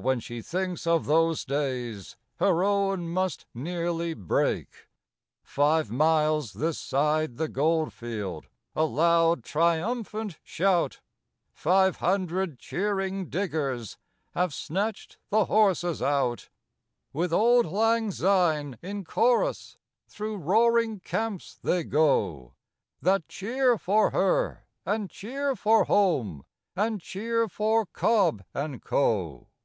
when she thinks of those days her own must nearly break!) Five miles this side the gold field, a loud, triumphant shout: Five hundred cheering diggers have snatched the horses out: With 'Auld Lang Syne' in chorus through roaring camps they go That cheer for her, and cheer for Home, and cheer for Cobb and Co.